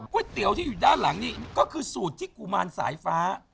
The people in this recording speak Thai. เตี๋ยวที่อยู่ด้านหลังนี้ก็คือสูตรที่กุมารสายฟ้า